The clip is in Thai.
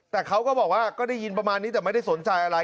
แต่เขาก็บอกว่าก็ได้ยินประมาณนี้แต่ไม่ได้สนใจอะไร